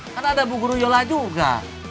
kan ada bu guru yola juga